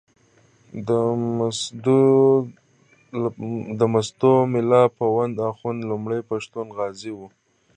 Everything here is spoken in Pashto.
د مسودو ملا پوونده اخُند لومړی پښتون غازي وو.